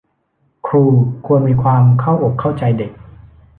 ครูควรมีความเข้าอกเข้าใจเด็ก